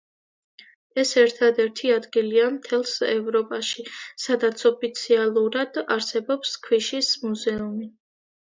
ეს ერთადერთი ადგილია მთელს ევროპაში, სადაც ოფიციალურად არსებობს ქვიშის მუზეუმი.